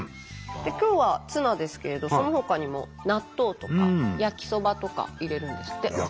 今日はツナですけれどそのほかにも納豆とか焼きそばとか入れるんですって。